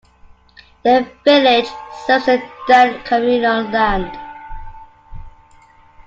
The village serves the Dande communal land.